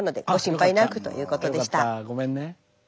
ごめんね。